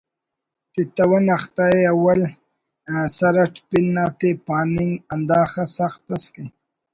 تتون اختہ ءِ اول سر اٹ پن نا تے پاننگ ہندا خہ سخت ئس کہ